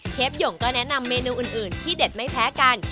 หย่งก็แนะนำเมนูอื่นที่เด็ดไม่แพ้กัน